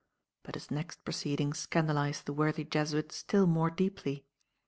But his next proceeding scandalized the worthy Jesuit still more deeply.